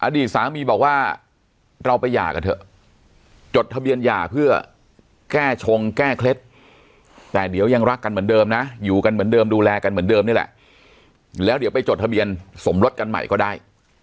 อดีตสามีบอกว่าเราไปหย่ากันเถอะจดทะเบียนหย่าเพื่อแก้ชงแก้เคล็ดแต่เดี๋ยวยังรักกันเหมือนเดิมนะอยู่กันเหมือนเดิมดูแลกันเหมือนเดิมนี่แหละแล้วเดี๋ยวไปจดทะเบียนสมรสกันใหม่ก็ได้